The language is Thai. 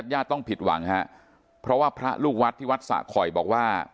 ญาติต้องผิดหวังฮะเพราะว่าพระลูกวัดที่วัดสะคอยบอกว่า